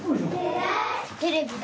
テレビだ！